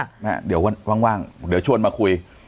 แม่เดี๋ยวว่างเดี๋ยวชวนมาคุย